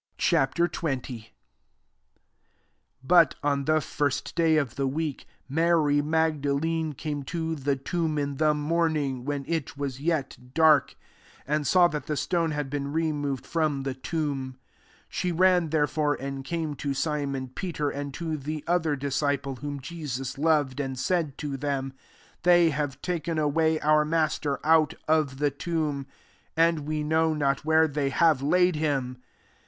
XX. 1 But on the first day of the week, Mary Magda lene came to the tomb in the morning, when it was yet dark, and saw that the stone had been removed fi"om the tomb. 2 She ran, therefore, and came to Si mon Peter, and to the other dis ciple whom Jesus loved: and said to them, " they have taken away our Master out of the tomb ; and we know not where they have laid him."